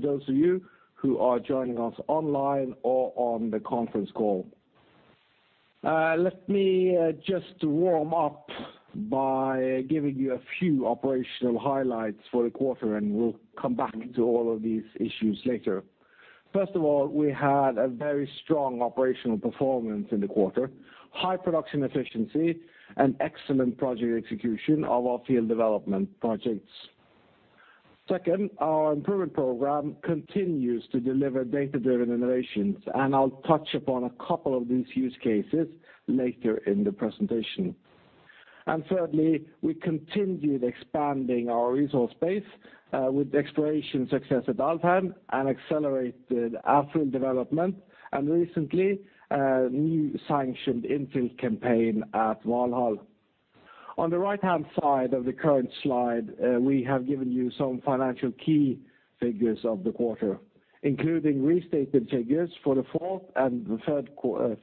To those of you who are joining us online or on the conference call. Let me just warm up by giving you a few operational highlights for the quarter, and we'll come back to all of these issues later. First of all, we had a very strong operational performance in the quarter, high production efficiency and excellent project execution of our field development projects. Second, our improvement program continues to deliver data-driven innovations, and I'll touch upon a couple of these use cases later in the presentation. Thirdly, we continued expanding our resource base, with exploration success at Alvheim and accelerated infill development, and recently, a new sanctioned infill campaign at Valhall. On the right-hand side of the current slide, we have given you some financial key figures of the quarter, including restated figures for the fourth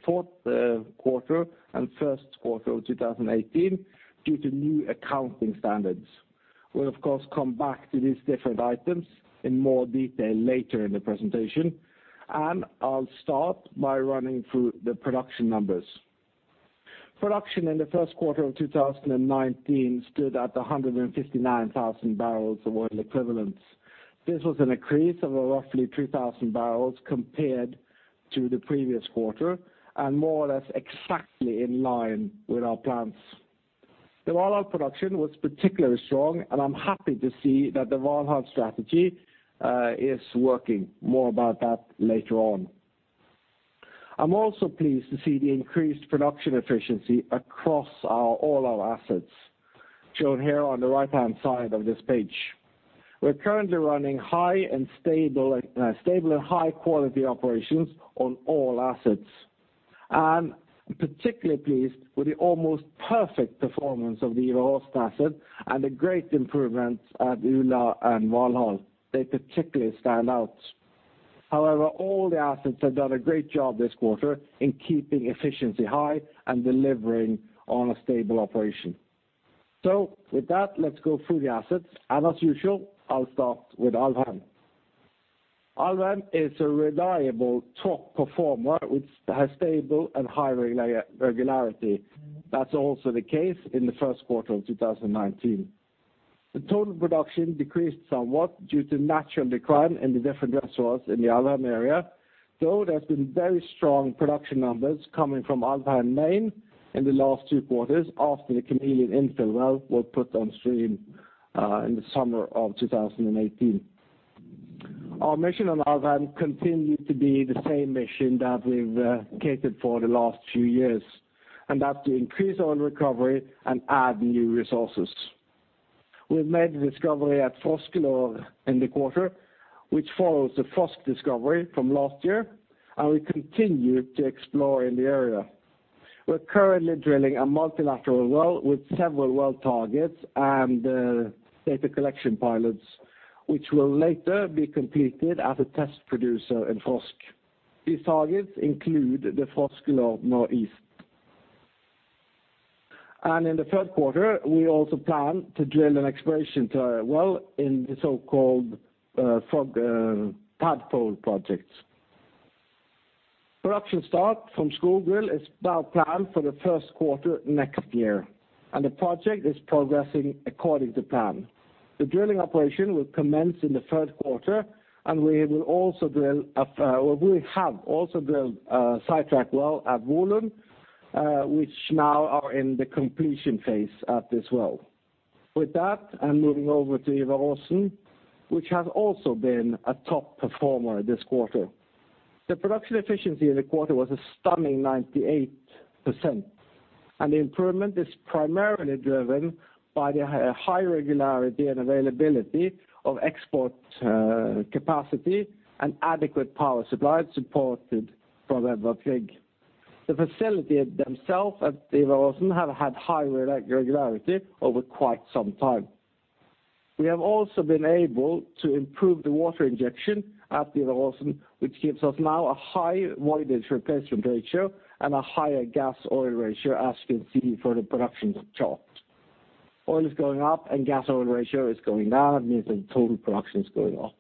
quarter and first quarter of 2018 due to new accounting standards. We'll of course come back to these different items in more detail later in the presentation, and I'll start by running through the production numbers. Production in the first quarter of 2019 stood at 159,000 barrels of oil equivalent. This was an increase of roughly 3,000 barrels compared to the previous quarter and more or less exactly in line with our plans. The Valhall production was particularly strong, and I'm happy to see that the Valhall strategy is working. More about that later on. I'm also pleased to see the increased production efficiency across all our assets, shown here on the right-hand side of this page. We're currently running stable and high-quality operations on all assets. And particularly pleased with the almost perfect performance of the Ivar Aasen asset and the great improvements at Ula and Valhall. They particularly stand out. However, all the assets have done a great job this quarter in keeping efficiency high and delivering on a stable operation. With that, let's go through the assets, and as usual, I'll start with Alvheim. Alvheim is a reliable top performer which has stable and high regularity. That's also the case in the first quarter of 2019. The total production decreased somewhat due to natural decline in the different reservoirs in the Alvheim area, though there's been very strong production numbers coming from Alvheim main in the last two quarters after the Chameleon infill well was put on stream in the summer of 2018. Our mission on Alvheim continued to be the same mission that we've catered for the last few years, and that's to increase oil recovery and add new resources. We've made the discovery at Frosk Nord in the quarter, which follows the Frosk discovery from last year, and we continue to explore in the area. We're currently drilling a multilateral well with several well targets and data collection pilots, which will later be completed as a test producer in Frosk. These targets include the Frosk Nordøst. In the third quarter, we also plan to drill an exploration well in the so-called Pad Fold project. Production start from Skogul is now planned for the first quarter next year, and the project is progressing according to plan. The drilling operation will commence in the third quarter, and we have also drilled a sidetrack well at Ula, which now are in the completion phase at this well. With that, I'm moving over to Ivar Aasen, which has also been a top performer this quarter. The production efficiency in the quarter was a stunning 98%. The improvement is primarily driven by the high regularity and availability of export capacity and adequate power supply supported from Edvard Grieg. The facility themselves at Ivar Aasen have had high regularity over quite some time. We have also been able to improve the water injection at the Ivar Aasen, which gives us now a high water replacement ratio and a higher gas-oil ratio, as you can see for the production chart. Oil is going up and gas-oil ratio is going down, means that total production is going up.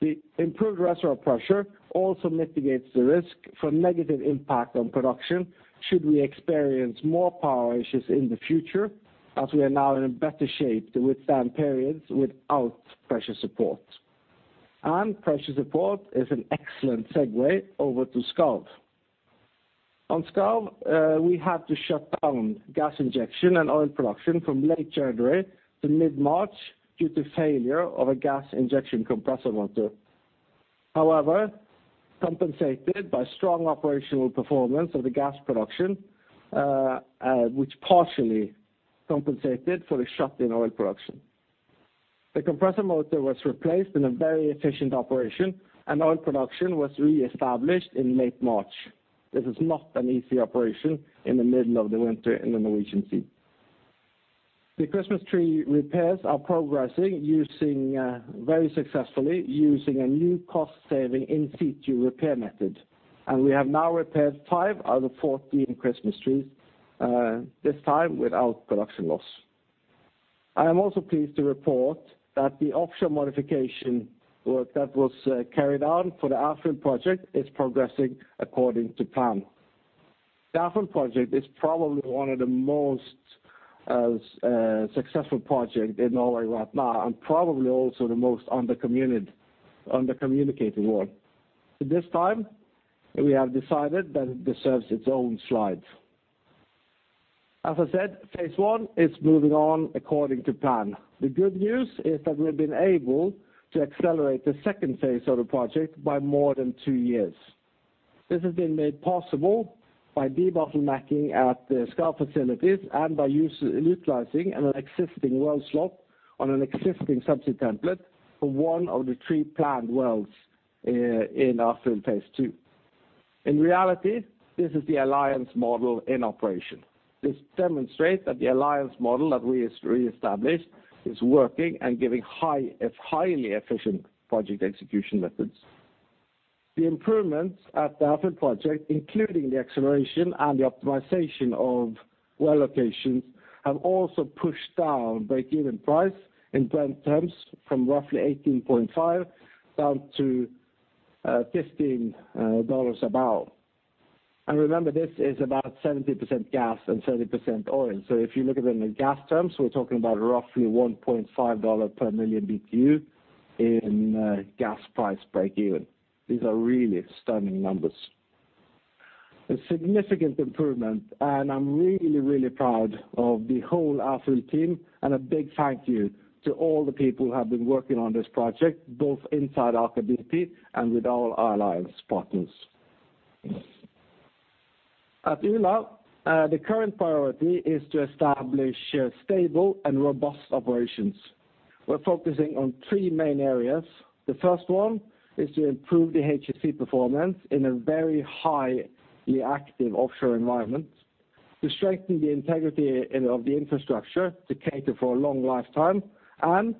The improved reservoir pressure also mitigates the risk from negative impact on production should we experience more power issues in the future, as we are now in better shape to withstand periods without pressure support. Pressure support is an excellent segue over to Skarv. On Skarv, we had to shut down gas injection and oil production from late January to mid-March due to failure of a gas injection compressor motor. However, compensated by strong operational performance of the gas production, which partially compensated for the shut in oil production. The compressor motor was replaced in a very efficient operation, and oil production was re-established in late March. This is not an easy operation in the middle of the winter in the Norwegian Sea. The Christmas tree repairs are progressing very successfully using a new cost-saving in-situ repair method. We have now repaired 5 out of 14 Christmas trees, this time without production loss. I am also pleased to report that the offshore modification work that was carried out for the Ærfugl project is progressing according to plan. The Ærfugl project is probably one of the most successful project in Norway right now, and probably also the most under-communicated one. This time, we have decided that it deserves its own slide. As I said, phase I is moving on according to plan. The good news is that we've been able to accelerate the second phase of the project by more than two years. This has been made possible by debottlenecking at the Skarv facilities and by utilizing an existing well slot on an existing subsea template for one of the three planned wells in our field phase II. In reality, this is the alliance model in operation. This demonstrates that the alliance model that we established is working and giving highly efficient project execution methods. The improvements at the Ærfugl project, including the acceleration and the optimization of well locations, have also pushed down break-even price in current terms from roughly $18.50 down to $15 about. Remember, this is about 70% gas and 30% oil. If you look at it in gas terms, we're talking about roughly $1.50 per million BTU in gas price break even. These are really stunning numbers. A significant improvement, and I'm really, really proud of the whole Ærfugl team, and a big thank you to all the people who have been working on this project, both inside Aker BP and with all alliance partners. At Ula, the current priority is to establish stable and robust operations. We're focusing on three main areas. The first one is to improve the HSE performance in a very highly active offshore environment, to strengthen the integrity of the infrastructure to cater for a long lifetime, and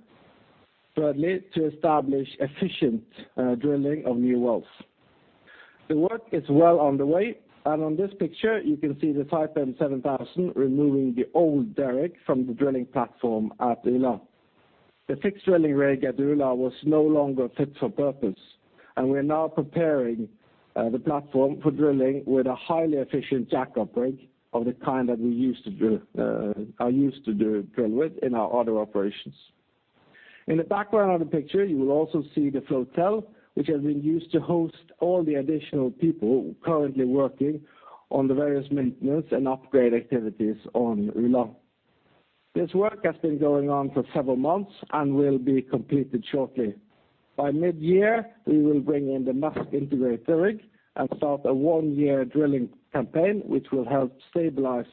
thirdly, to establish efficient drilling of new wells. The work is well underway, and on this picture, you can see the Titan 7000 removing the old derrick from the drilling platform at Ula. The fixed drilling rig at Ula was no longer fit for purpose, and we are now preparing the platform for drilling with a highly efficient jackup rig of the kind that we are used to drill with in our other operations. In the background of the picture, you will also see the flotel, which has been used to host all the additional people currently working on the various maintenance and upgrade activities on Ula. This work has been going on for several months and will be completed shortly. By mid-year, we will bring in the Maersk Intrepid rig and start a one-year drilling campaign, which will help stabilize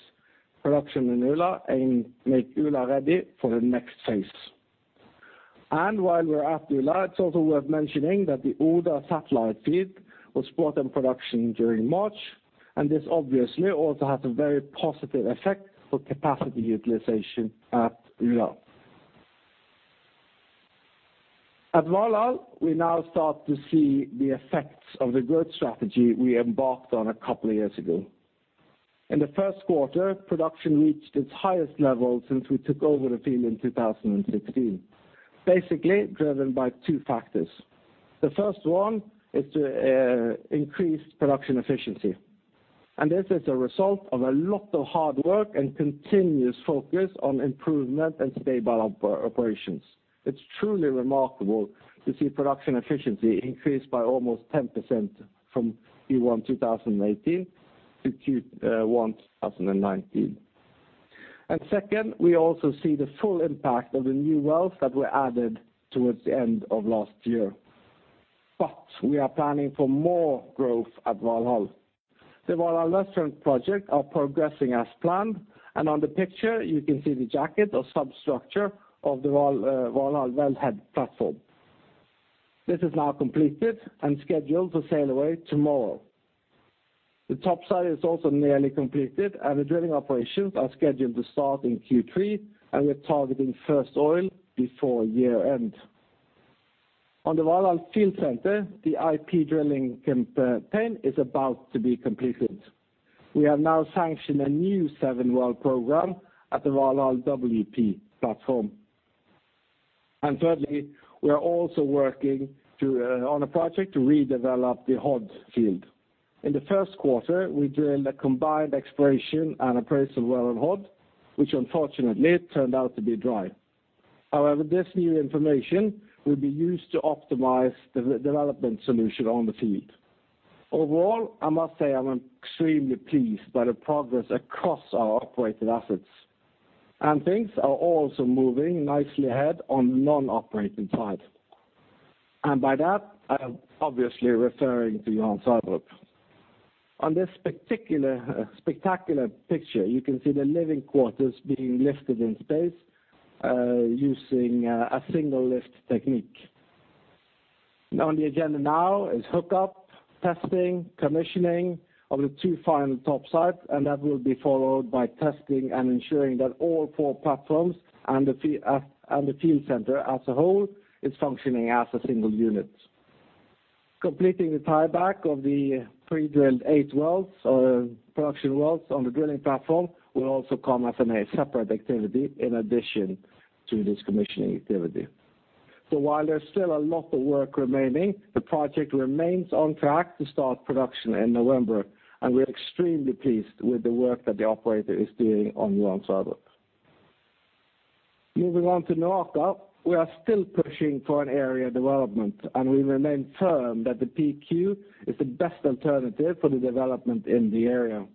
production in Ula and make Ula ready for the next phase. While we're at Ula, it's also worth mentioning that the Oda satellite field was brought in production during March, and this obviously also has a very positive effect for capacity utilization at Ula. At Valhall, we now start to see the effects of the growth strategy we embarked on a couple of years ago. In Q1, production reached its highest level since we took over the field in 2016, basically driven by two factors. The first one is to increase production efficiency. This is a result of a lot of hard work and continuous focus on improvement and stable operations. It's truly remarkable to see production efficiency increase by almost 10% from Q1 2018 to Q1 2019. Second, we also see the full impact of the new wells that were added towards the end of last year. We are planning for more growth at Valhall. The Valhall Flank West project are progressing as planned, and on the picture you can see the jacket or substructure of the Valhall wellhead platform. This is now completed and scheduled to sail away tomorrow. The topside is also nearly completed, and the drilling operations are scheduled to start in Q3, and we're targeting first oil before year-end. On the Valhall field center, the IP drilling campaign is about to be completed. We have now sanctioned a new seven-well program at the Valhall WP platform. 3rdly, we are also working on a project to redevelop the Hod field. In Q1, we drilled a combined exploration and appraisal well in Hod, which unfortunately turned out to be dry. However, this new information will be used to optimize the development solution on the field. Overall, I must say I'm extremely pleased by the progress across our operated assets. Things are also moving nicely ahead on non-operating side. By that, I am obviously referring to Johan Sverdrup. On this spectacular picture, you can see the living quarters being lifted in place using a single-lift technique. On the agenda now is hookup, testing, commissioning of the two final topsides, that will be followed by testing and ensuring that all four platforms and the field center as a whole is functioning as a single unit. Completing the tieback of the pre-drilled eight wells or production wells on the drilling platform will also come as a separate activity in addition to this commissioning activity. While there's still a lot of work remaining, the project remains on track to start production in November, and we're extremely pleased with the work that the operator is doing on Johan Sverdrup. Moving on to NOAKA, we are still pushing for an area development and we remain firm that the PQ is the best alternative for the development in the area,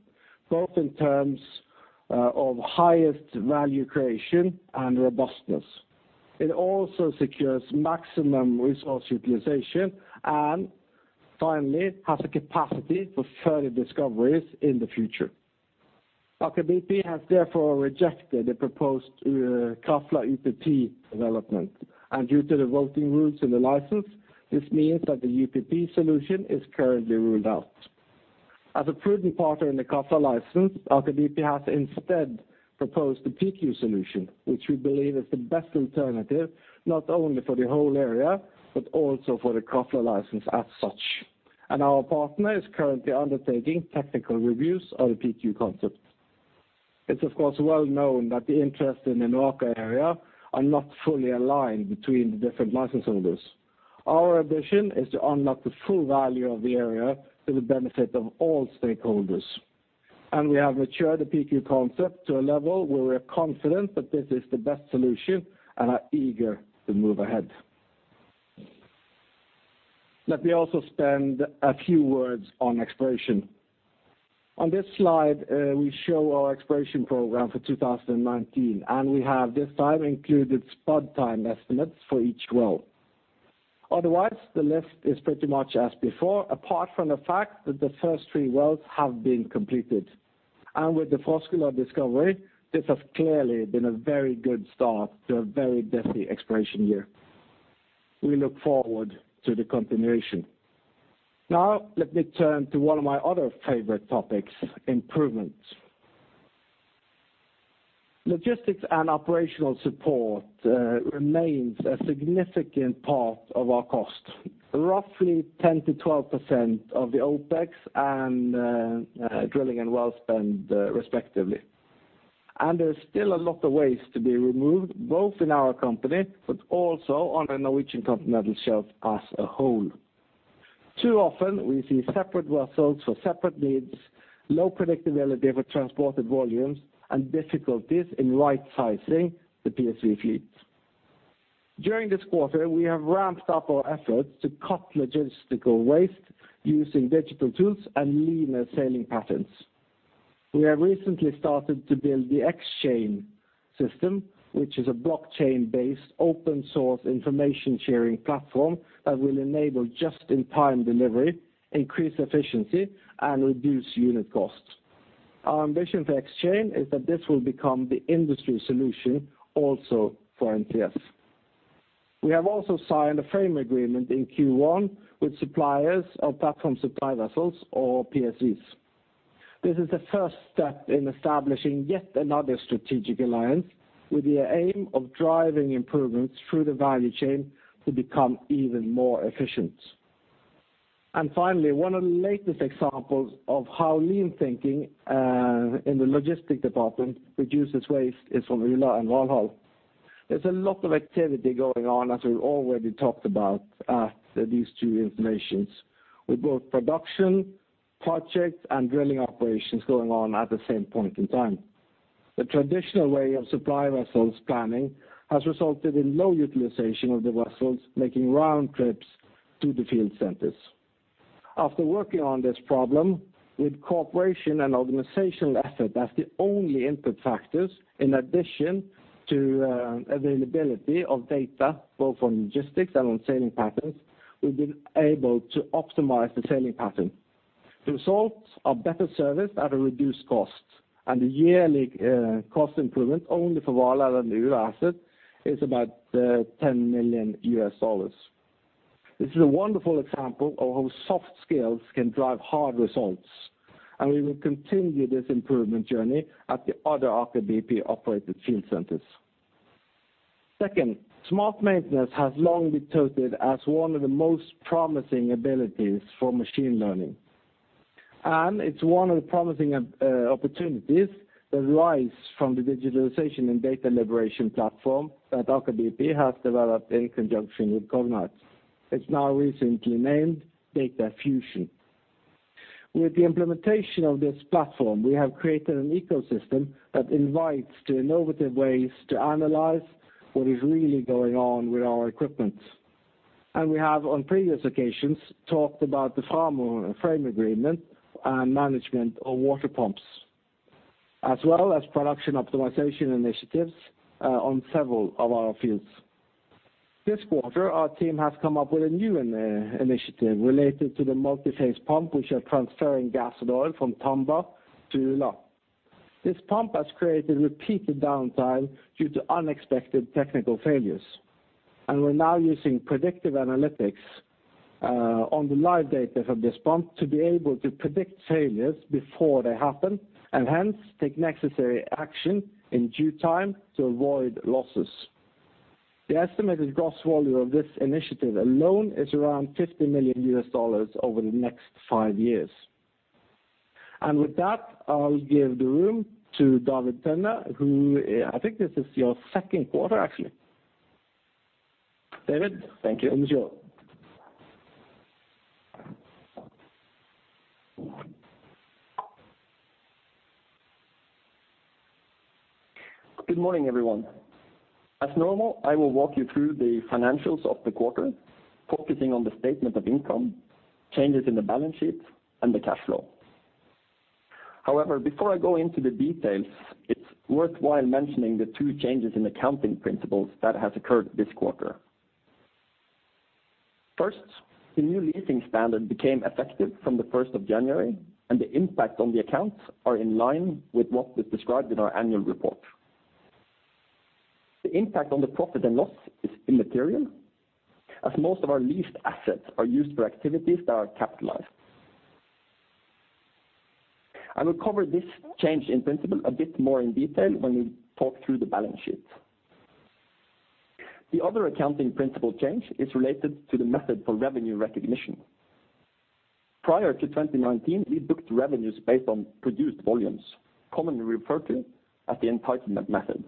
both in terms of highest value creation and robustness. It also secures maximum resource utilization and finally, has the capacity for further discoveries in the future. Aker BP has therefore rejected the proposed Krafla UPP development, and due to the voting rules in the license, this means that the UPP solution is currently ruled out. As a prudent partner in the Krafla license, Aker BP has instead proposed the PQ solution, which we believe is the best alternative not only for the whole area, but also for the Krafla license as such. Our partner is currently undertaking technical reviews of the PQ concept. It's of course well known that the interest in the NOAKA area are not fully aligned between the different license holders. Our ambition is to unlock the full value of the area to the benefit of all stakeholders. We have matured the PQ concept to a level where we're confident that this is the best solution and are eager to move ahead. Let me also spend a few words on exploration. On this slide, we show our exploration program for 2019, and we have this time included spud time estimates for each well. Otherwise, the list is pretty much as before, apart from the fact that the first three wells have been completed. With the Frosk discovery, this has clearly been a very good start to a very busy exploration year. We look forward to the continuation. Let me turn to one of my other favorite topics, improvements. Logistics and operational support remains a significant part of our cost. Roughly 10%-12% of the OpEx and drilling and well spend respectively. There's still a lot of waste to be removed, both in our company, but also on the Norwegian Continental Shelf as a whole. Too often we see separate vessels for separate needs, low predictability of transported volumes, and difficulties in right sizing the PSV fleet. During this quarter, we have ramped up our efforts to cut logistical waste using digital tools and leaner sailing patterns. We have recently started to build the XChain system, which is a blockchain-based open source information sharing platform that will enable just in time delivery, increase efficiency, and reduce unit costs. Our ambition for XChain is that this will become the industry solution also for NCS. We have also signed a frame agreement in Q1 with suppliers of platform supply vessels or PSVs. This is the first step in establishing yet another strategic alliance with the aim of driving improvements through the value chain to become even more efficient. Finally, one of the latest examples of how lean thinking in the logistic department reduces waste is from Ula and Valhall. There's a lot of activity going on, as we already talked about at these two installations. With both production, projects, and drilling operations going on at the same point in time. The traditional way of supply vessels planning has resulted in low utilization of the vessels making round trips to the field centers. After working on this problem with cooperation and organizational effort as the only input factors, in addition to availability of data both on logistics and on sailing patterns, we've been able to optimize the sailing pattern. The results are better service at a reduced cost. The yearly cost improvement only for Valhall and Ula asset is about $10 million. This is a wonderful example of how soft skills can drive hard results. We will continue this improvement journey at the other Aker BP-operated field centers. Second, smart maintenance has long been toted as one of the most promising abilities for machine learning. It's one of the promising opportunities that rise from the digitalization and data liberation platform that Aker BP has developed in conjunction with Cognite. It's now recently named Data Fusion. With the implementation of this platform, we have created an ecosystem that invites to innovative ways to analyze what is really going on with our equipment. We have, on previous occasions, talked about the frame agreement and management of water pumps, as well as production optimization initiatives on several of our fields. This quarter, our team has come up with a new initiative related to the multi-phase pump which are transferring gas and oil from Tumba to Ula. This pump has created repeated downtime due to unexpected technical failures. We're now using predictive analytics on the live data from this pump to be able to predict failures before they happen, and hence take necessary action in due time to avoid losses. The estimated gross value of this initiative alone is around $50 million over the next five years. With that, I'll give the room to David Tønne, who I think this is your second quarter, actually. David? Thank you. Enjoy. Good morning, everyone. As normal, I will walk you through the financials of the quarter, focusing on the statement of income, changes in the balance sheet, and the cash flow. Before I go into the details, it's worthwhile mentioning the two changes in accounting principles that has occurred this quarter. First, the new leasing standard became effective from the 1st of January, and the impact on the accounts are in line with what was described in our annual report. The impact on the profit and loss is immaterial, as most of our leased assets are used for activities that are capitalized. I will cover this change in principle a bit more in detail when we talk through the balance sheet. The other accounting principle change is related to the method for revenue recognition. Prior to 2019, we booked revenues based on produced volumes, commonly referred to as the entitlement method.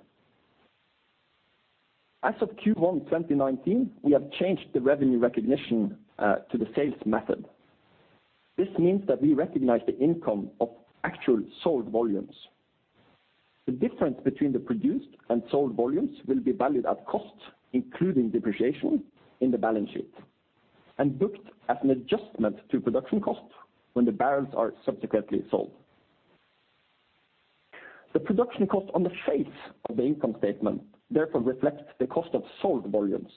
As of Q1 2019, we have changed the revenue recognition to the sales method. This means that we recognize the income of actual sold volumes. The difference between the produced and sold volumes will be valued at cost, including depreciation in the balance sheet and booked as an adjustment to production cost when the barrels are subsequently sold. The production cost on the face of the income statement therefore reflect the cost of sold volumes.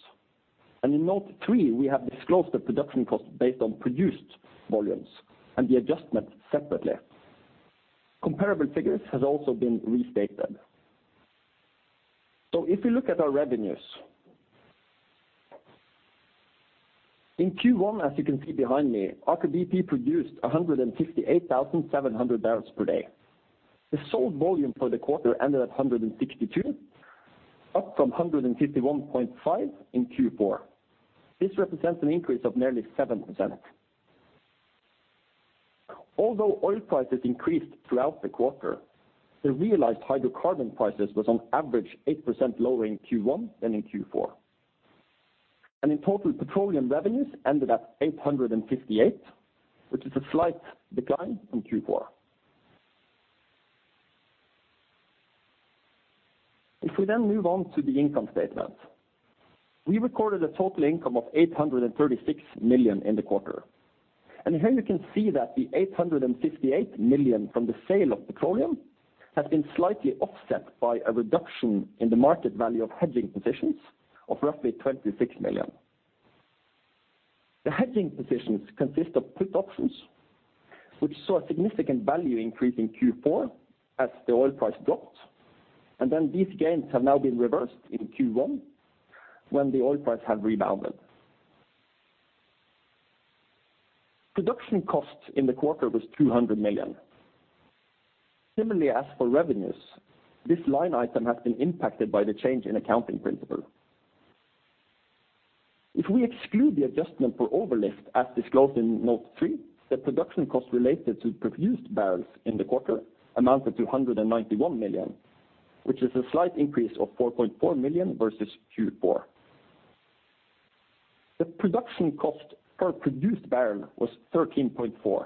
In note three, we have disclosed the production cost based on produced volumes and the adjustment separately. Comparable figures has also been restated. If you look at our revenues. In Q1, as you can see behind me, Aker BP produced 158,700 barrels per day. The sold volume for the quarter ended at 162, up from 151.5 in Q4. This represents an increase of nearly 7%. Although oil prices increased throughout the quarter, the realized hydrocarbon prices was on average 8% lower in Q1 than in Q4. In total, petroleum revenues ended at $858, which is a slight decline from Q4. If we move on to the income statement. We recorded a total income of $836 million in the quarter, and here you can see that the $858 million from the sale of petroleum has been slightly offset by a reduction in the market value of hedging positions of roughly $26 million. The hedging positions consist of put options, which saw a significant value increase in Q4 as the oil price dropped. These gains have now been reversed in Q1 when the oil price have rebounded. Production cost in the quarter was $200 million. Similarly, as for revenues, this line item has been impacted by the change in accounting principle. If we exclude the adjustment for overlift as disclosed in note three, the production cost related to produced barrels in the quarter amounted to $191 million, which is a slight increase of $4.4 million versus Q4. The production cost per produced barrel was 13.4.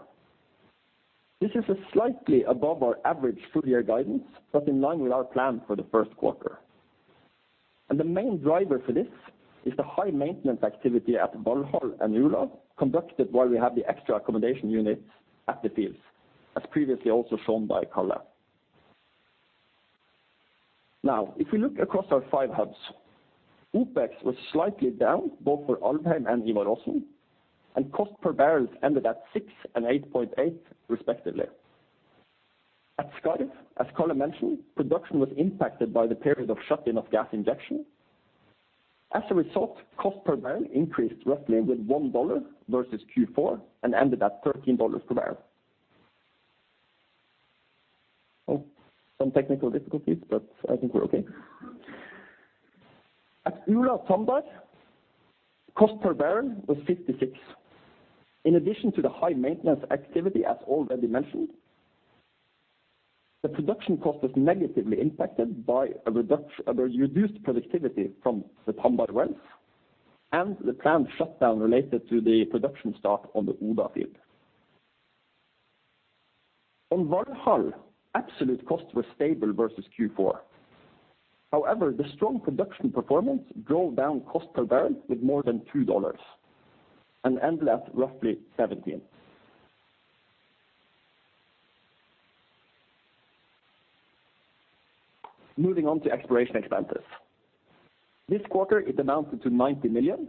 This is a slightly above our average full-year guidance, but in line with our plan for the first quarter. The main driver for this is the high maintenance activity at Valhall and Ula conducted while we have the extra accommodation units at the fields, as previously also shown by Karl. If we look across our five hubs, OpEx was slightly down both for Alvheim and Ivar Aasen, and cost per barrel ended at six and 8.8, respectively. At Skarv, as Karl mentioned, production was impacted by the period of shut-in of gas injection. As a result, cost per barrel increased roughly with $1 versus Q4 and ended at $13 per barrel. Some technical difficulties, but I think we're okay. At Ula-Tambar, cost per barrel was $56. In addition to the high maintenance activity as already mentioned, the production cost was negatively impacted by a reduced productivity from the Tambar wells and the planned shutdown related to the production start on the Ula field. On Valhall, absolute cost was stable versus Q4. The strong production performance drove down cost per barrel with more than $2 and ended at roughly $17. Moving on to exploration expenses. This quarter, it amounted to $90 million.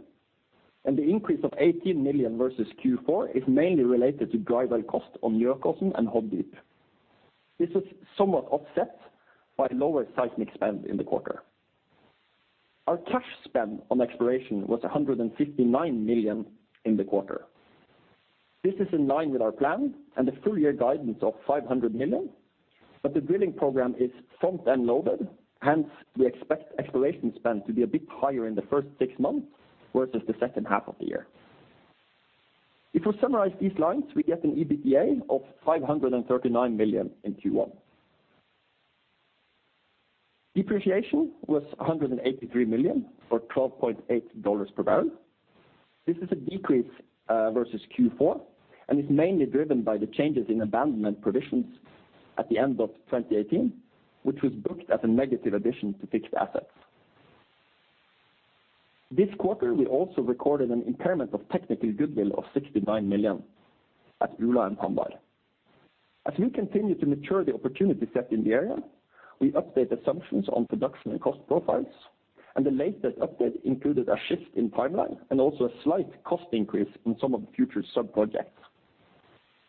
The increase of $18 million versus Q4 is mainly related to dry well cost on Jotun and Hod deep. This is somewhat offset by lower seismic spend in the quarter. Our cash spend on exploration was $159 million in the quarter. This is in line with our plan and the full-year guidance of $500 million. The drilling program is front-end loaded. Hence, we expect exploration spend to be a bit higher in the first six months versus the second half of the year. If we summarize these lines, we get an EBITDA of $539 million in Q1. Depreciation was $183 million, or $12.8 per barrel. This is a decrease versus Q4 and is mainly driven by the changes in abandonment provisions at the end of 2018, which was booked as a negative addition to fixed assets. This quarter, we also recorded an impairment of technical goodwill of $69 million at Ula and Tambar. As we continue to mature the opportunity set in the area, we update assumptions on production and cost profiles. The latest update included a shift in timeline and also a slight cost increase on some of the future sub-projects.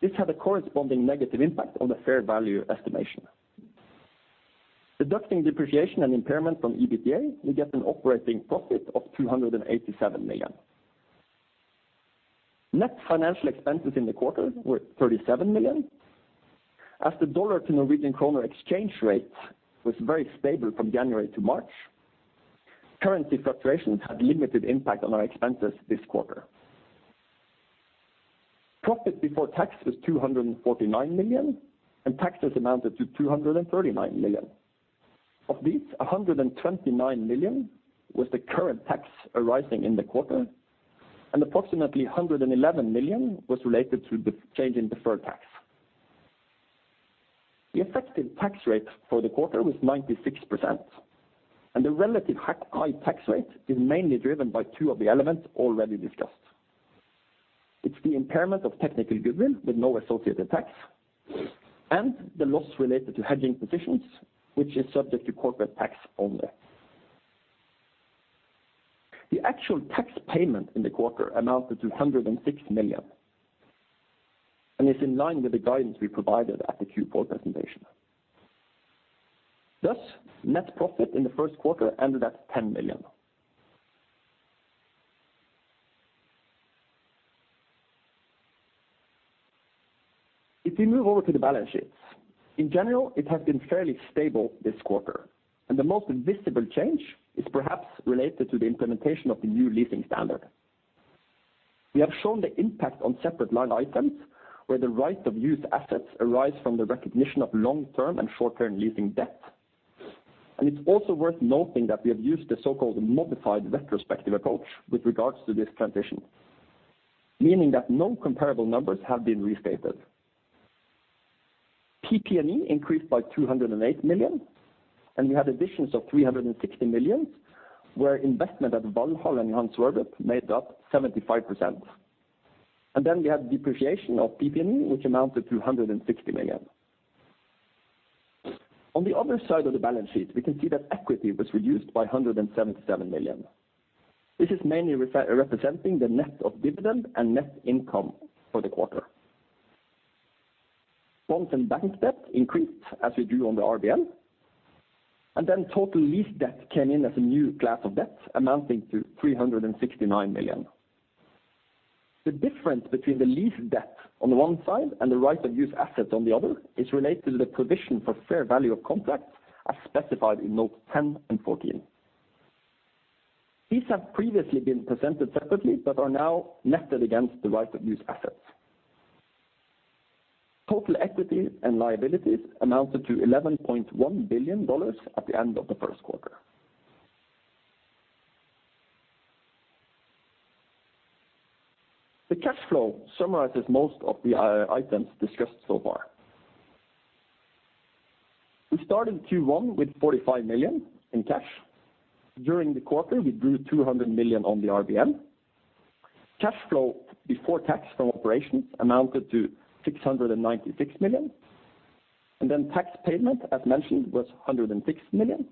This had a corresponding negative impact on the fair value estimation. Deducting depreciation and impairment from EBITDA, we get an operating profit of $287 million. Net financial expenses in the quarter were $37 million. As the dollar to Norwegian kroner exchange rate was very stable from January to March, currency fluctuations had limited impact on our expenses this quarter. Profit before tax was $249 million. Taxes amounted to $239 million. Of this, $129 million was the current tax arising in the quarter, and approximately $111 million was related to the change in deferred tax. The effective tax rate for the quarter was 96%. The relative high tax rate is mainly driven by two of the elements already discussed. It's the impairment of technical goodwill with no associated tax and the loss related to hedging positions, which is subject to corporate tax only. The actual tax payment in the quarter amounted to $106 million and is in line with the guidance we provided at the Q4 presentation. Thus, net profit in the first quarter ended at $10 million. If we move over to the balance sheets, in general, it has been fairly stable this quarter. The most visible change is perhaps related to the implementation of the new leasing standard. We have shown the impact on separate line items where the right of use assets arise from the recognition of long-term and short-term leasing debt. It's also worth noting that we have used the so-called modified retrospective approach with regards to this transition, meaning that no comparable numbers have been restated. PP&E increased by 208 million, and we had additions of 360 million, where investment at Valhall and Johan Sverdrup made up 75%. We have depreciation of PP&E, which amounted to 160 million. On the other side of the balance sheet, we can see that equity was reduced by 177 million. This is mainly representing the net of dividend and net income for the quarter. Bonds and bank debt increased as we drew on the RBL. Total lease debt came in as a new class of debt amounting to 369 million. The difference between the lease debt on one side and the right of use asset on the other is related to the provision for fair value of contracts as specified in Notes 10 and 14. These have previously been presented separately but are now netted against the right of use assets. Total equity and liabilities amounted to $11.1 billion at the end of the first quarter. The cash flow summarizes most of the items discussed so far. We started Q1 with 45 million in cash. During the quarter, we drew 200 million on the RBL. Cash flow before tax from operations amounted to 696 million. Tax payment, as mentioned, was 106 million.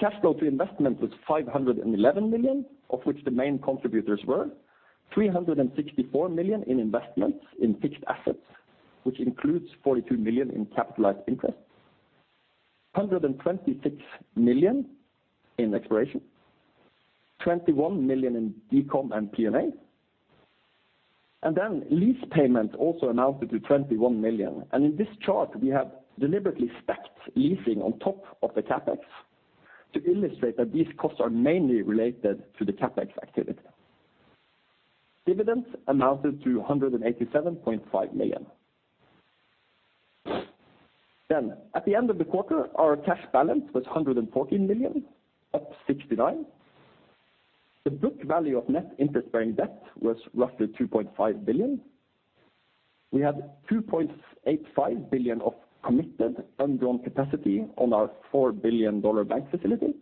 Cash flow to investment was 511 million, of which the main contributors were 364 million in investments in fixed assets, which includes 42 million in capitalized interest, 126 million in exploration, 21 million in decom and P&A. Lease payment also amounted to 21 million. In this chart, we have deliberately stacked leasing on top of the CapEx to illustrate that these costs are mainly related to the CapEx activity. Dividends amounted to 187.5 million. At the end of the quarter, our cash balance was 114 million, up 69 million. The book value of net interest-bearing debt was roughly 2.5 billion. We had 2.85 billion of committed undrawn capacity on our $4 billion bank facility.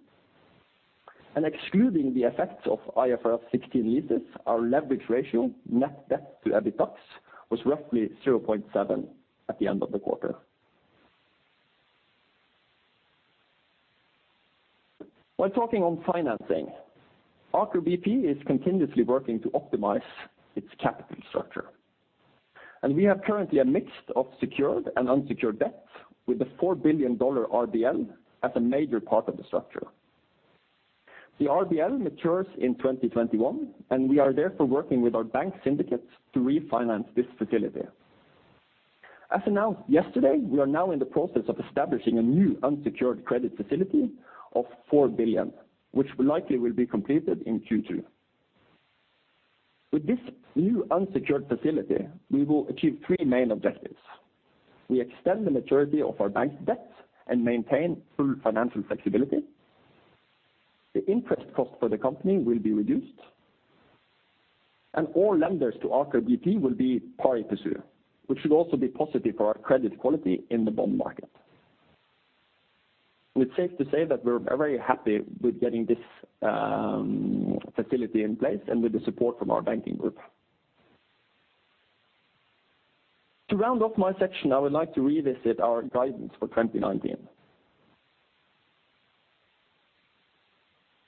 Excluding the effects of IFRS 16 leases, our leverage ratio, net debt to EBITDA, was roughly 0.7 at the end of the quarter. While talking on financing, Aker BP is continuously working to optimize its capital structure. We have currently a mix of secured and unsecured debt with the $4 billion RBL as a major part of the structure. The RBL matures in 2021. We are therefore working with our bank syndicates to refinance this facility. As announced yesterday, we are now in the process of establishing a new unsecured credit facility of 4 billion, which likely will be completed in Q2. With this new unsecured facility, we will achieve three main objectives. We extend the maturity of our bank debt and maintain full financial flexibility. The interest cost for the company will be reduced. All lenders to Aker BP will be pari passu, which should also be positive for our credit quality in the bond market. It's safe to say that we're very happy with getting this facility in place and with the support from our banking group. To round off my section, I would like to revisit our guidance for 2019.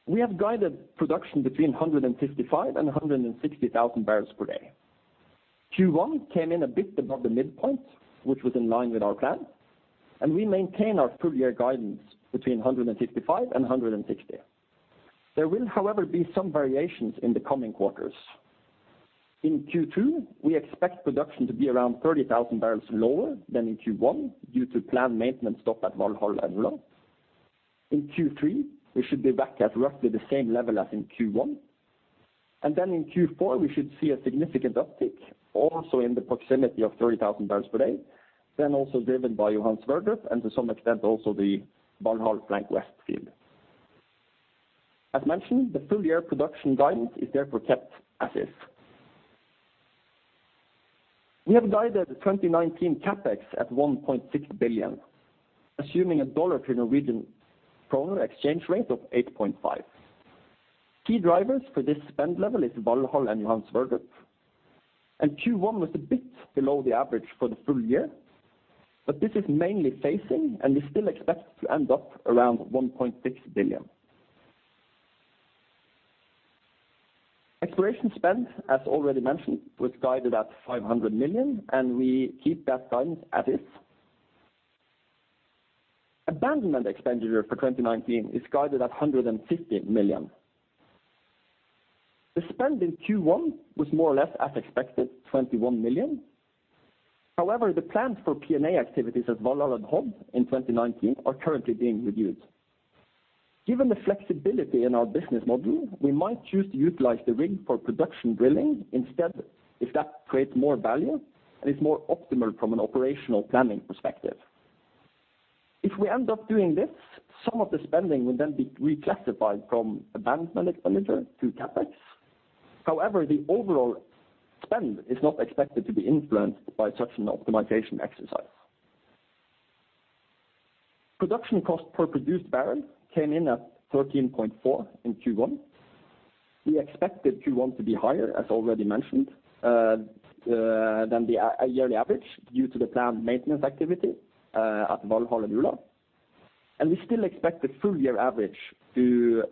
We have guided production between 155,000 and 160,000 barrels per day. Q1 came in a bit above the midpoint, which was in line with our plan, and we maintain our full-year guidance between 155,000 and 160,000. There will, however, be some variations in the coming quarters. In Q2, we expect production to be around 30,000 barrels lower than in Q1 due to planned maintenance stop at Valhall and Ula. In Q3, we should be back at roughly the same level as in Q1. In Q4, we should see a significant uptick, also in the proximity of 30,000 barrels per day, then also driven by Johan Sverdrup and to some extent also the Valhall Flank West field. As mentioned, the full-year production guidance is therefore kept as is. We have guided 2019 CapEx at $1.6 billion, assuming a dollar to Norwegian kroner exchange rate of 8.5. Key drivers for this spend level is Valhall and Johan Sverdrup. Q1 was a bit below the average for the full year, but this is mainly phasing, and we still expect to end up around $1.6 billion. Exploration spend, as already mentioned, was guided at $500 million, and we keep that guidance as is. Abandonment expenditure for 2019 is guided at $150 million. The spend in Q1 was more or less as expected, $21 million. However, the plans for P&A activities at Valhall and Hod in 2019 are currently being reviewed. Given the flexibility in our business model, we might choose to utilize the rig for production drilling instead, if that creates more value and is more optimal from an operational planning perspective. If we end up doing this, some of the spending will then be reclassified from abandonment expenditure to CapEx. However, the overall spend is not expected to be influenced by such an optimization exercise. Production cost per produced barrel came in at $13.4 in Q1. We expected Q1 to be higher, as already mentioned, than the yearly average due to the planned maintenance activity at Valhall and Ula. We still expect the full-year average to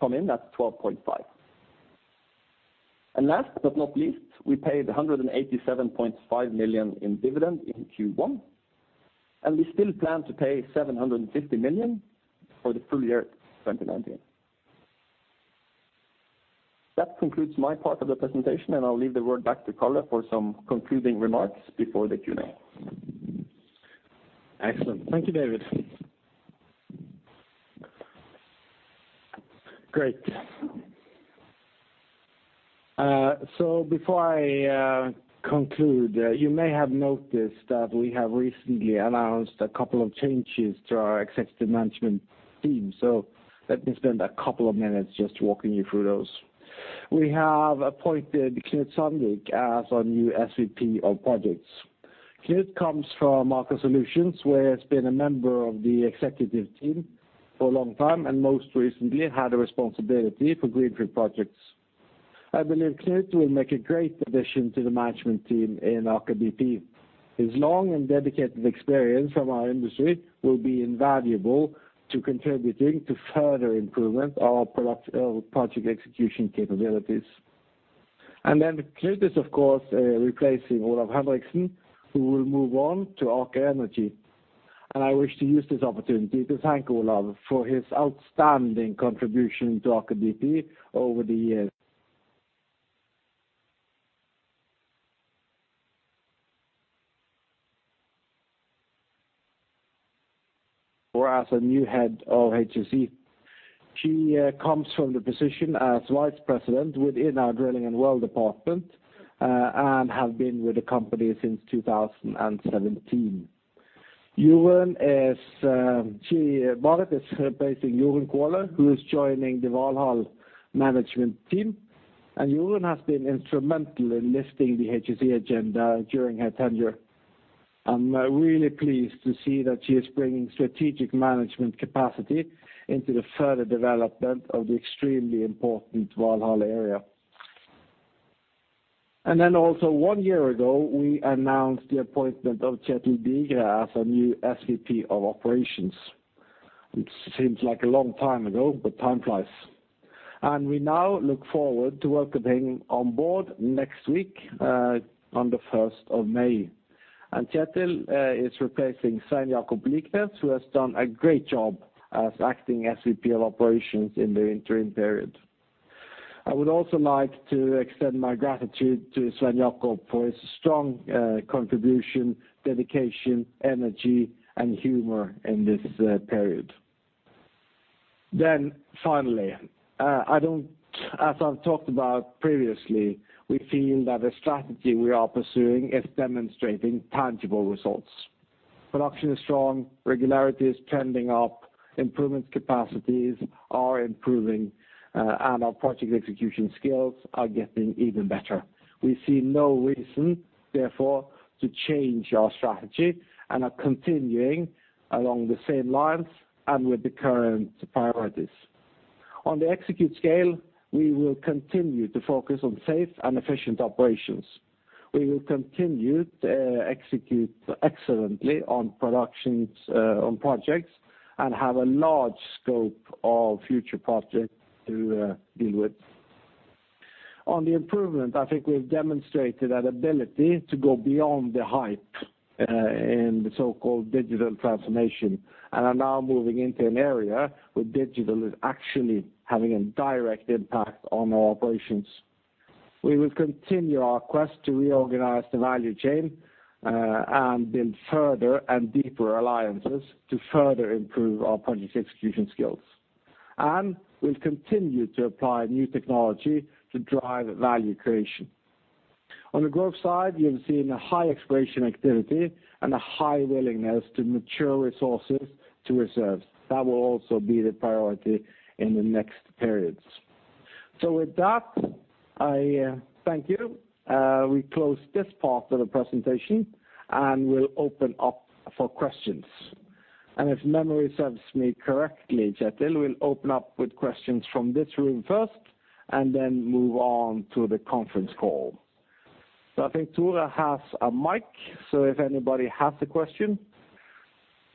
come in at $12.5. Last but not least, we paid $187.5 million in dividend in Q1, and we still plan to pay $750 million for the full year 2019. That concludes my part of the presentation, and I'll leave the word back to Karl for some concluding remarks before the Q&A. Excellent. Thank you, David. Great. Before I conclude, you may have noticed that we have recently announced a couple of changes to our executive management team. Let me spend a couple of minutes just walking you through those. We have appointed Knut Sandvik as our new SVP of Projects. Knut comes from Aker Solutions, where he's been a member of the executive team for a long time, and most recently had a responsibility for greenfield projects. I believe Knut will make a great addition to the management team in Aker BP. His long and dedicated experience from our industry will be invaluable to contributing to further improvement of our project execution capabilities. Knut is, of course, replacing Olav Henriksen, who will move on to Aker Energy. I wish to use this opportunity to thank Olav for his outstanding contribution to Aker BP over the years. Marit as a new head of HSE. She comes from the position as Vice President within our drilling and well department, and has been with the company since 2017. Marit is replacing Jorunn Kvåle, who is joining the Valhall management team, and Jorunn has been instrumental in lifting the HSE agenda during her tenure. I'm really pleased to see that she is bringing strategic management capacity into the further development of the extremely important Valhall area. Also one year ago, we announced the appointment of Kjetil Digre as our new SVP of Operations, which seems like a long time ago, but time flies. We now look forward to welcoming on board next week on the 1st of May. Kjetil is replacing Svein Jakob Liknes, who has done a great job as acting SVP of Operations in the interim period. I would also like to extend my gratitude to Svein Jakob for his strong contribution, dedication, energy, and humor in this period. Finally, as I've talked about previously, we feel that the strategy we are pursuing is demonstrating tangible results. Production is strong, regularity is trending up, improvement capacities are improving, and our project execution skills are getting even better. We see no reason, therefore, to change our strategy and are continuing along the same lines and with the current priorities. On the execute scale, we will continue to focus on safe and efficient operations. We will continue to execute excellently on productions on projects and have a large scope of future projects to deal with. On the improvement, I think we've demonstrated an ability to go beyond the hype in the so-called digital transformation and are now moving into an area where digital is actually having a direct impact on our operations. We will continue our quest to reorganize the value chain, and build further and deeper alliances to further improve our project execution skills. We'll continue to apply new technology to drive value creation. On the growth side, you have seen a high exploration activity and a high willingness to mature resources to reserves. That will also be the priority in the next periods. With that, I thank you. We close this part of the presentation, and we'll open up for questions. If memory serves me correctly, Kjetil, we'll open up with questions from this room first, and then move on to the conference call. I think Thora has a mic, if anybody has a question,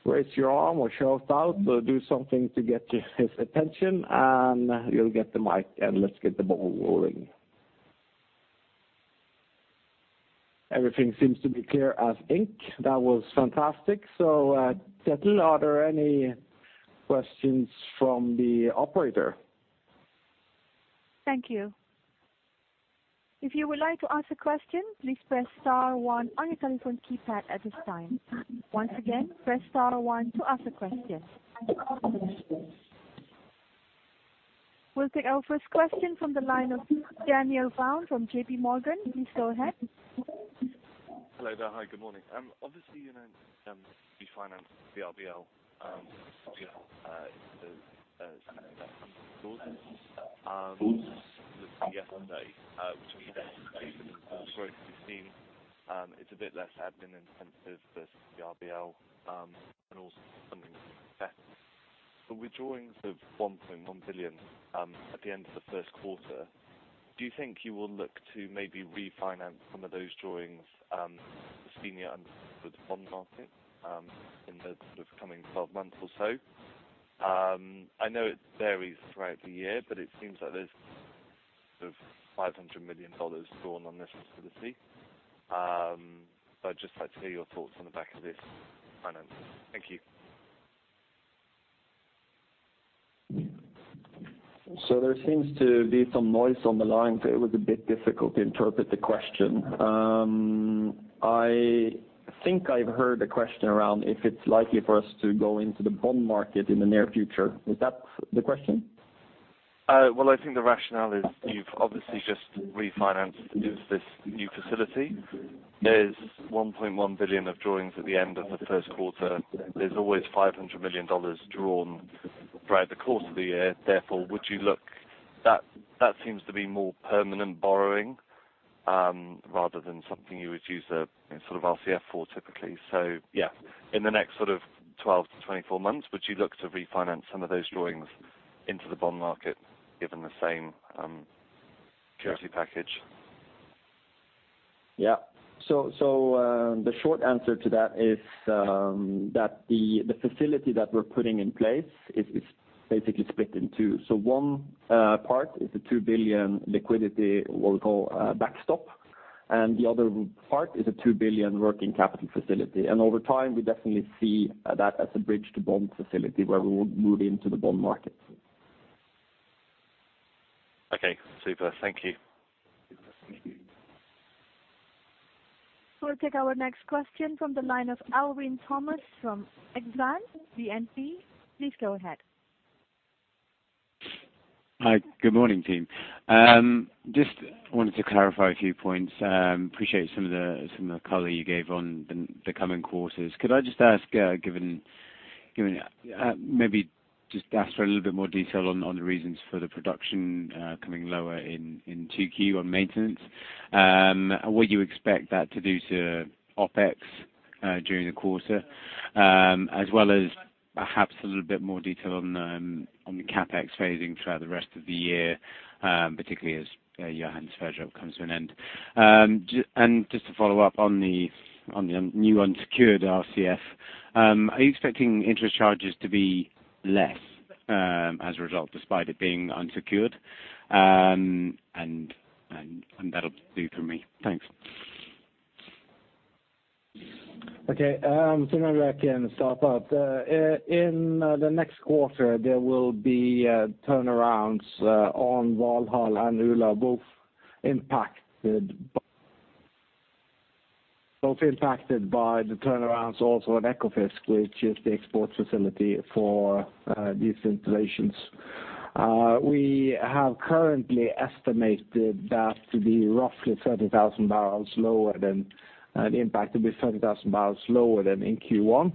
raise your arm or shout out or do something to get his attention, and you'll get the mic, and let's get the ball rolling. Everything seems to be clear as ink. That was fantastic. Kjetil, are there any questions from the operator? Thank you. If you would like to ask a question, please press star one on your telephone keypad at this time. Once again, press star one to ask a question. We will take our first question from the line of Daniel Brown from JPMorgan. Please go ahead. Hello there. Hi, good morning. Obviously, you financed the RBL into the second quarter. Looking yesterday, which shows the growth we've seen, it's a bit less admin intensive versus the RBL, and also the funding effects. With drawings of 1.1 billion at the end of the first quarter, do you think you will look to maybe refinance some of those drawings senior with bond market in the coming 12 months or so? I know it varies throughout the year, but it seems like there's sort of NOK 500 million drawn on this facility. Just like to hear your thoughts on the back of this finance. Thank you. There seems to be some noise on the line, so it was a bit difficult to interpret the question. I think I've heard a question around if it's likely for us to go into the bond market in the near future. Is that the question? Well, I think the rationale is you've obviously just refinanced into this new facility. There's 1.1 billion of drawings at the end of the first quarter. There's always NOK 500 million drawn throughout the course of the year. That seems to be more permanent borrowing rather than something you would use a sort of RCF for typically. Yeah, in the next sort of 12 to 24 months, would you look to refinance some of those drawings into the bond market given the same security package? Yeah. The short answer to that is that the facility that we're putting in place is basically split in two. One part is a 2 billion liquidity, what we call a backstop, and the other part is a 2 billion working capital facility. Over time, we definitely see that as a bridge to bond facility where we would move into the bond market. Okay, super. Thank you. We'll take our next question from the line of Alwyn Thomas from Exane BNP. Please go ahead. Hi. Good morning, team. Just wanted to clarify a few points. Appreciate some of the color you gave on the coming quarters. Could I just ask for a little bit more detail on the reasons for the production coming lower in 2Q on maintenance? What you expect that to do to OpEx during the quarter, as well as perhaps a little bit more detail on the CapEx phasing throughout the rest of the year. Particularly as Johan Sverdrup comes to an end. Just to follow up on the new unsecured RCF, are you expecting interest charges to be less as a result, despite it being unsecured? That'll do for me. Thanks. In the next quarter, there will be turnarounds on Valhall and Ula, both impacted by the turnarounds also on Ekofisk, which is the export facility for these installations. We have currently estimated that to be roughly 30,000 barrels lower than an impact, it will be 30,000 barrels lower than in Q1.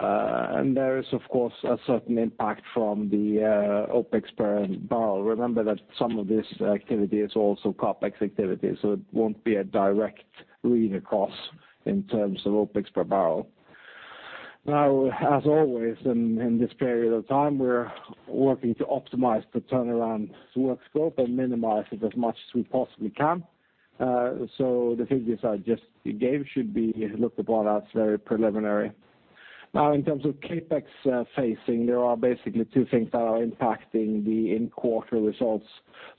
There is, of course, a certain impact from the OpEx per barrel. Remember that some of this activity is also CapEx activity, so it won't be a direct read-across in terms of OpEx per barrel. As always in this period of time, we're working to optimize the turnaround work scope and minimize it as much as we possibly can. The figures I just gave should be looked upon as very preliminary. In terms of CapEx phasing, there are basically two things that are impacting the in-quarter results.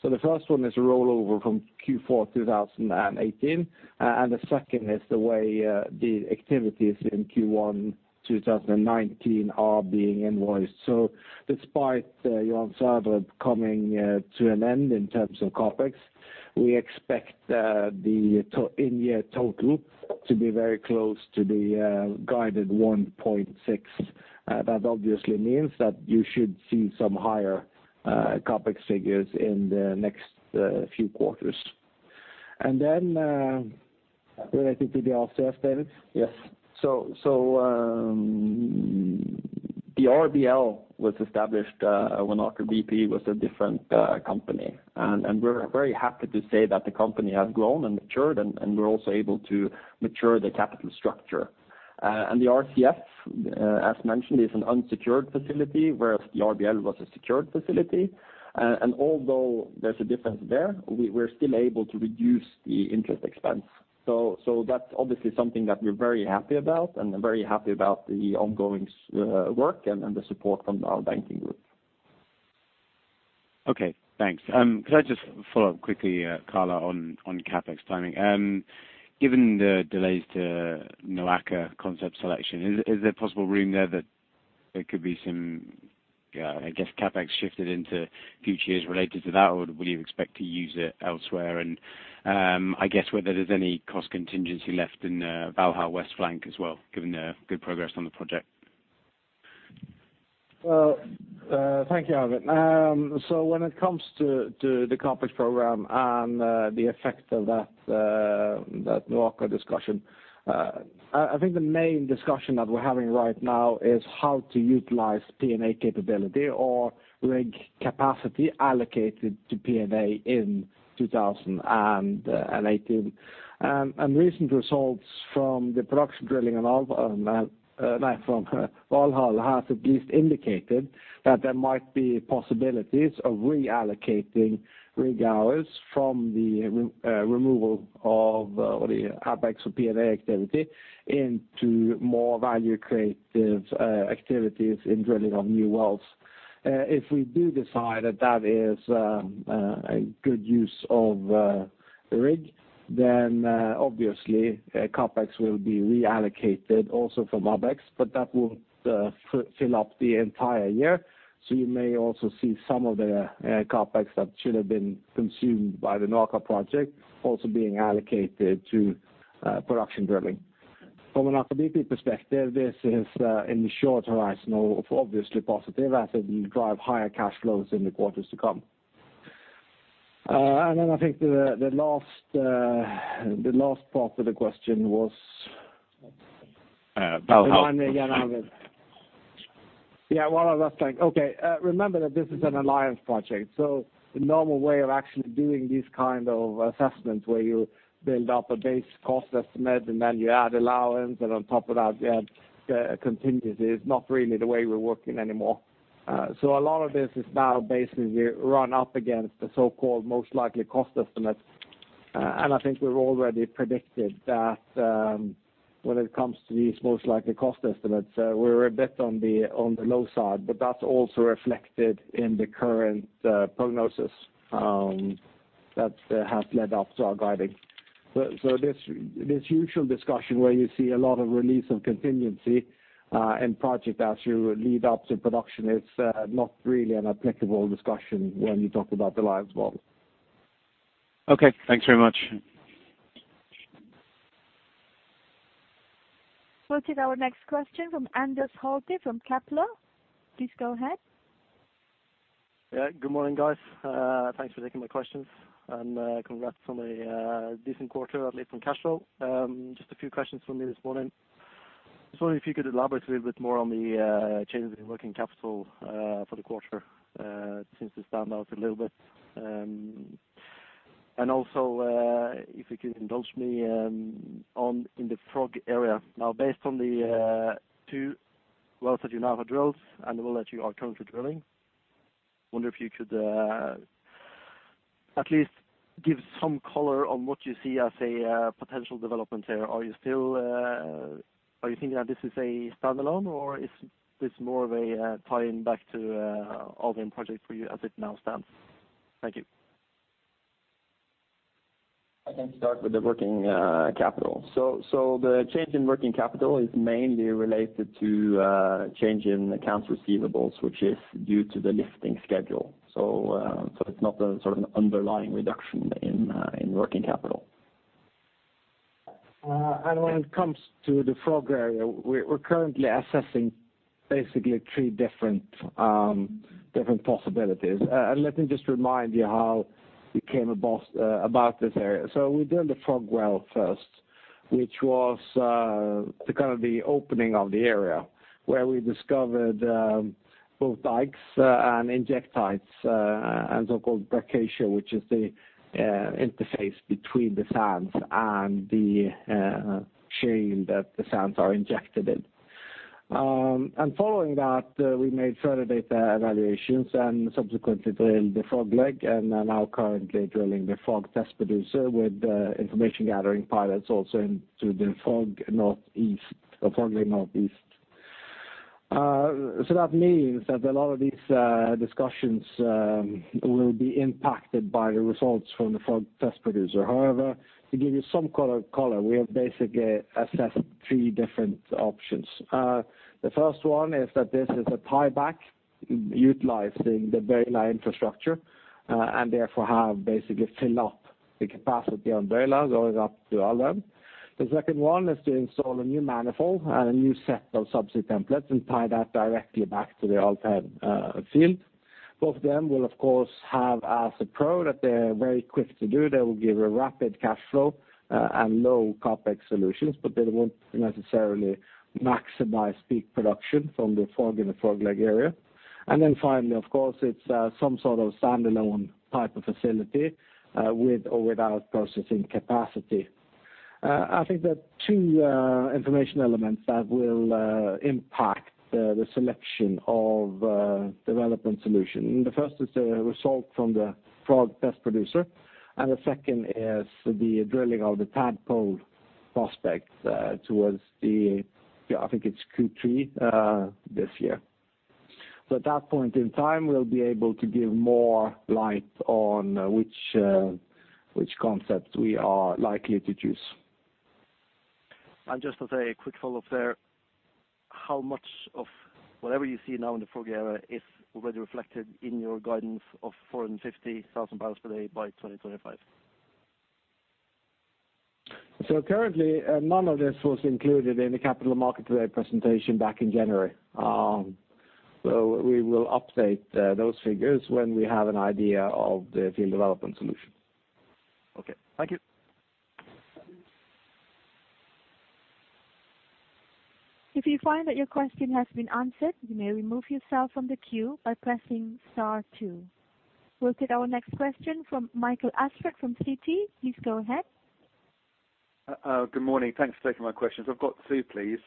The first one is a rollover from Q4 2018, and the second is the way the activities in Q1 2019 are being invoiced. Despite Johan Sverdrup coming to an end in terms of CapEx, we expect the in-year total to be very close to the guided 1.6. That obviously means that you should see some higher CapEx figures in the next few quarters. Related to the RCF, David? Yes. The RBL was established when Aker BP was a different company, and we're very happy to say that the company has grown and matured, and we're also able to mature the capital structure. The RCF, as mentioned, is an unsecured facility, whereas the RBL was a secured facility. Although there's a difference there, we're still able to reduce the interest expense. That's obviously something that we're very happy about, and very happy about the ongoing work and the support from our banking group. Okay, thanks. Could I just follow up quickly, Karl, on CapEx timing? Given the delays to NOAKA concept selection, is there possible room there that there could be some CapEx shifted into future years related to that, or would you expect to use it elsewhere? I guess whether there's any cost contingency left in Valhall Flank West as well, given the good progress on the project. Well, thank you, Alwyn. When it comes to the CapEx program and the effect of that NOAKA discussion, I think the main discussion that we're having right now is how to utilize P&A capability or rig capacity allocated to P&A in 2018. Recent results from the production drilling from Valhall has at least indicated that there might be possibilities of reallocating rig hours from the removal of the ABEX or P&A activity into more value-creative activities in drilling of new wells. If we do decide that that is a good use of a rig, obviously CapEx will be reallocated also from ABEX, but that won't fill up the entire year. You may also see some of the CapEx that should have been consumed by the NOAKA project also being allocated to production drilling. From an Aker BP perspective, this is in the short horizon obviously positive, as it will drive higher cash flows in the quarters to come. I think the last part of the question was. Valhall. Remind me again, Alwyn. Yeah, Valhall Flank West. Okay. Remember that this is an alliance project, the normal way of actually doing these kind of assessments where you build up a base cost estimate and then you add allowance and on top of that you add contingency is not really the way we're working anymore. A lot of this is now basically run up against the so-called most likely cost estimate. I think we've already predicted that when it comes to these most likely cost estimates, we're a bit on the low side, but that's also reflected in the current prognosis that has led up to our guiding. This usual discussion where you see a lot of release of contingency in project as you lead up to production is not really an applicable discussion when you talk about Alliance Valhall. Okay, thanks very much. We'll take our next question from Anders Holte from Kepler. Please go ahead. Yeah. Good morning, guys. Thanks for taking my questions. Congrats on a decent quarter, at least on cash flow. Just a few questions from me this morning. Just wondering if you could elaborate a little bit more on the changes in working capital for the quarter. It seems to stand out a little bit. Also, if you could indulge me in the Frosk area. Now, based on the two wells that you now have drilled and the well that you are currently drilling, I wonder if you could at least give some color on what you see as a potential development here. Are you thinking that this is a standalone, or is this more of a tie in back to the Alvheim project for you as it now stands? Thank you. I can start with the working capital. The change in working capital is mainly related to change in accounts receivables, which is due to the lifting schedule. It's not a sort of underlying reduction in working capital. When it comes to the Frosk area, we're currently assessing basically three different possibilities. Let me just remind you how we came about this area. We drilled the Frosk well first, which was the kind of the opening of the area, where we discovered both dikes and injectites, and so-called braccia, which is the interface between the sands and the chain that the sands are injected in. Following that, we made further data evaluations and subsequently drilled the Froskelår, and are now currently drilling the Frosk test producer with information gathering pilots also into the Froskelår Nordøst. That means that a lot of these discussions will be impacted by the results from the Frosk test producer. To give you some color, we have basically assessed three different options. The first one is that this is a tieback utilizing the Bøyla infrastructure, therefore have basically fill up the capacity on Bøyla going up to Alvheim. The second one is to install a new manifold and a new set of subsea templates and tie that directly back to the Alvheim field. Both of them will, of course, have as a pro that they're very quick to do. They will give a rapid cash flow and low CapEx solutions, but they won't necessarily maximize peak production from the Frosk and the Froskelår area. Then finally, of course, it's some sort of standalone type of facility with or without processing capacity. I think there are two information elements that will impact the selection of development solution. The first is the result from the Frosk test producer, and the second is the drilling of the Rumpetroll prospect towards the, I think it's Q3 this year. At that point in time, we'll be able to give more light on which concept we are likely to choose. Just as a quick follow-up there, how much of whatever you see now in the Frosk area is already reflected in your guidance of 450,000 barrels per day by 2025? Currently, none of this was included in the capital market presentation back in January. We will update those figures when we have an idea of the field development solution. Okay. Thank you. If you find that your question has been answered, you may remove yourself from the queue by pressing star two. We will take our next question from Michael Alsford from Citi. Please go ahead. Good morning. Thanks for taking my questions. I have got two, please.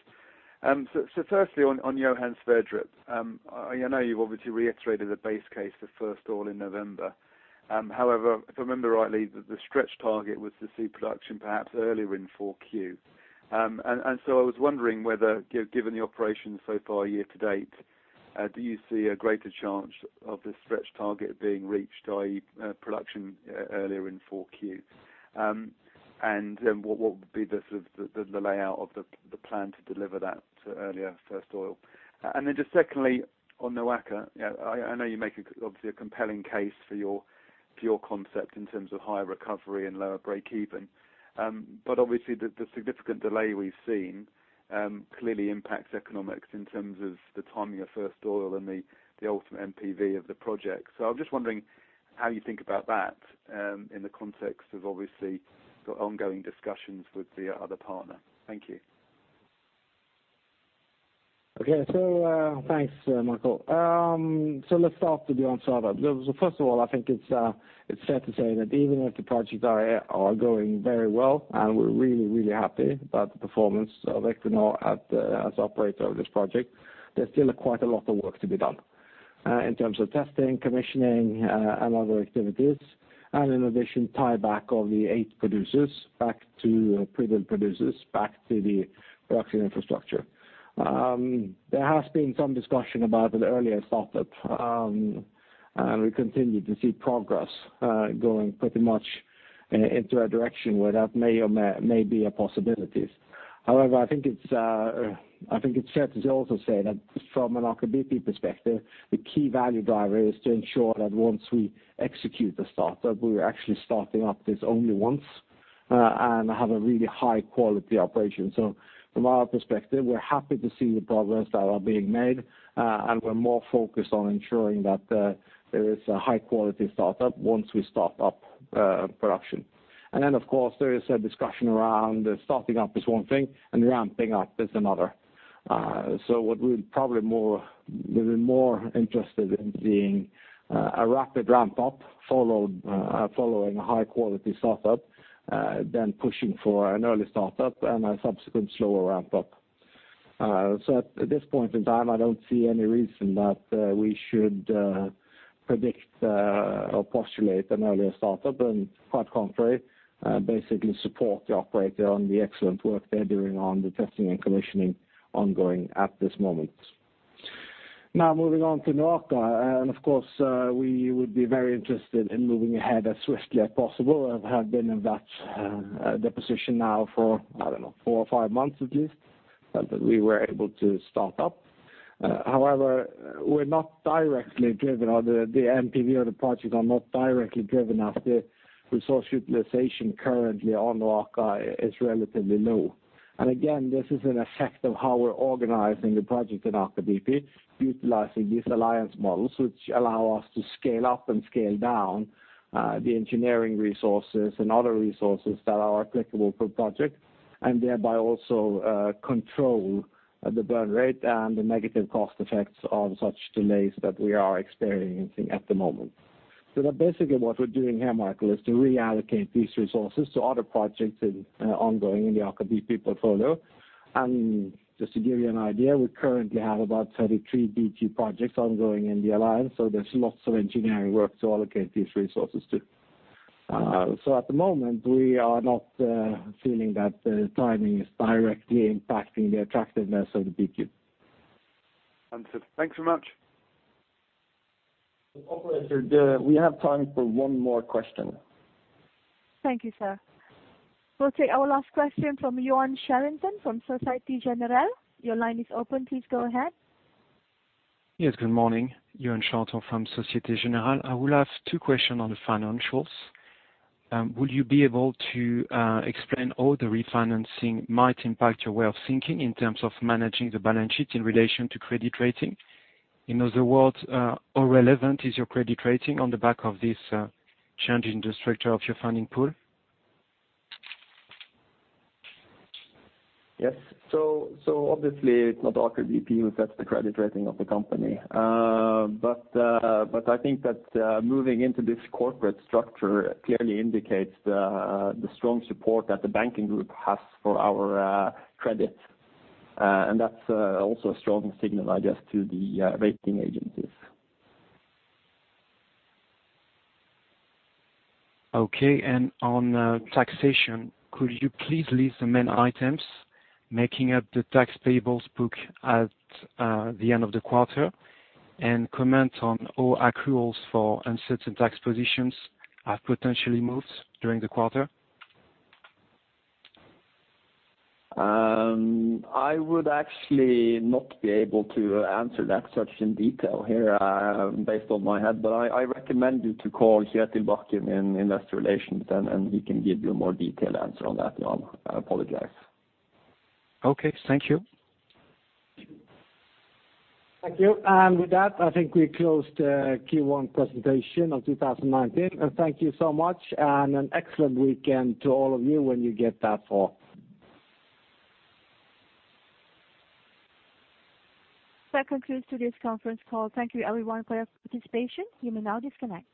Firstly, on Johan Sverdrup, I know you have obviously reiterated the base case for first oil in November. However, if I remember rightly, the stretch target was to see production perhaps earlier in 4Q. I was wondering whether, given the operations so far year to date, do you see a greater chance of this stretch target being reached, i.e., production earlier in 4Q? What would be the layout of the plan to deliver that to earlier first oil? Just secondly, on the NOAKA, I know you make obviously a compelling case for your concept in terms of higher recovery and lower break-even. Obviously the significant delay we have seen clearly impacts economics in terms of the timing of first oil and the ultimate NPV of the project. I'm just wondering how you think about that in the context of obviously your ongoing discussions with the other partner. Thank you. Thanks, Michael. Let's start with the Johan Sverdrup. First of all, I think it's fair to say that even if the projects are going very well, and we're really, really happy about the performance of Equinor as the operator of this project, there's still quite a lot of work to be done in terms of testing, commissioning, and other activities. In addition, tie back all the eight producers back to pre-drilled producers, back to the production infrastructure. There has been some discussion about an earlier start-up, and we continue to see progress going pretty much into a direction where that may be a possibility. However, I think it's fair to also say that from an Aker BP perspective, the key value driver is to ensure that once we execute the start-up, we're actually starting up this only once, and have a really high-quality operation. From our perspective, we're happy to see the progress that are being made, and we're more focused on ensuring that there is a high-quality start-up once we start up production. Then of course, there is a discussion around starting up is one thing and ramping up is another. What we're probably more interested in seeing a rapid ramp-up following a high-quality start-up, than pushing for an early start-up and a subsequent slower ramp-up. At this point in time, I don't see any reason that we should predict or postulate an earlier start-up and quite contrary, basically support the operator on the excellent work they're doing on the testing and commissioning ongoing at this moment. Now moving on to NOAKA. Of course, we would be very interested in moving ahead as swiftly as possible and have been in that position now for, I don't know, four or five months at least, that we were able to start up. However, the NPV of the project are not directly driven as the resource utilization currently on NOAKA is relatively low. Again, this is an effect of how we're organizing the project in Aker BP, utilizing these alliance models, which allow us to scale up and scale down the engineering resources and other resources that are applicable per project, and thereby also control the burn rate and the negative cost effects of such delays that we are experiencing at the moment. Basically what we're doing here, Michael, is to reallocate these resources to other projects ongoing in the Aker BP portfolio. Just to give you an idea, we currently have about 33 BG projects ongoing in the alliance, there's lots of engineering work to allocate these resources to. At the moment, we are not feeling that the timing is directly impacting the attractiveness of the PQ. Answered. Thanks very much. Operator, we have time for one more question. Thank you, sir. We'll take our last question from Yoann Chaigneau from Société Générale. Your line is open. Please go ahead. Yes, good morning. Yoann Chaigneau from Société Générale. I will ask two question on the financials. Will you be able to explain how the refinancing might impact your way of thinking in terms of managing the balance sheet in relation to credit rating? In other words, how relevant is your credit rating on the back of this change in the structure of your funding pool? Yes. Obviously it's not Aker BP who sets the credit rating of the company. I think that moving into this corporate structure clearly indicates the strong support that the banking group has for our credit. That's also a strong signal, I guess, to the rating agencies. Okay, on taxation, could you please list the main items making up the tax payables book at the end of the quarter and comment on all accruals for uncertain tax positions have potentially moved during the quarter? I would actually not be able to answer that such in detail here based on my head, but I recommend you to call Kjetil Bakken in investor relations and he can give you a more detailed answer on that, Yoann. I apologize. Okay. Thank you. Thank you. With that, I think we close the Q1 presentation of 2019. Thank you so much and an excellent weekend to all of you when you get that far. That concludes today's conference call. Thank you everyone for your participation. You may now disconnect.